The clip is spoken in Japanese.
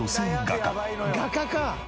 画家か！